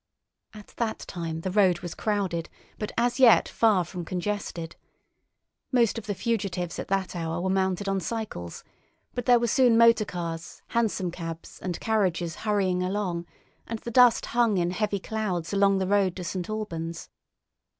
At that time the road was crowded, but as yet far from congested. Most of the fugitives at that hour were mounted on cycles, but there were soon motor cars, hansom cabs, and carriages hurrying along, and the dust hung in heavy clouds along the road to St. Albans.